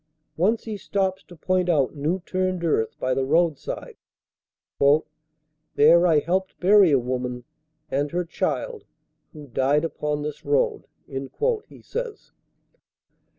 Once he stops to point out new turned earth by the roadside. "There I helped bury a woman and her child who died upon this road," he says.